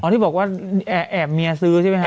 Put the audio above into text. อ๋อที่บอกว่าแอบเมียซื้อใช่ไหมครับ